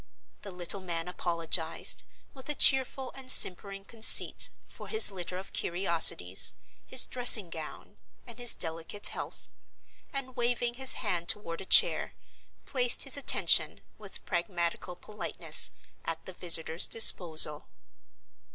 The little man apologized, with a cheerful and simpering conceit, for his litter of curiosities, his dressing gown, and his delicate health; and, waving his hand toward a chair, placed his attention, with pragmatical politeness, at the visitor's disposal.